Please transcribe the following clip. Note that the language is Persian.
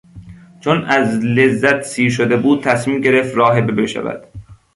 چون از لذت سیر شده بود تصمیم گرفت راهبه بشود.